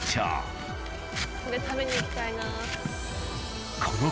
これ食べに行きたいな。